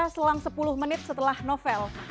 selang sepuluh menit setelah novel